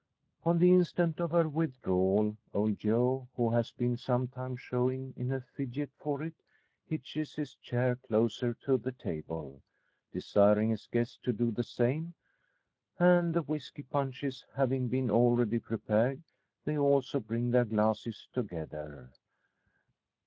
On the instant of her withdrawal, old Joe, who has been some time showing in a fidget for it, hitches his chair closer to the table, desiring his guest to do the same; and the whisky punches having been already prepared, they also bring their glasses together.